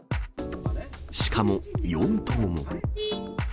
しかも４頭も。